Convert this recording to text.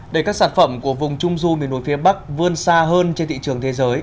để các sản phẩm của vùng trung du miền núi phía bắc vươn xa hơn trên thị trường thế giới